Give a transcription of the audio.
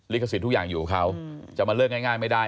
ขสิทธิ์ทุกอย่างอยู่กับเขาจะมาเลิกง่ายไม่ได้